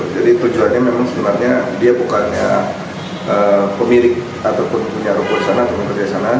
jadi tujuannya memang sebenarnya dia bukannya pemilik ataupun punya reputasi atau pemerintah sana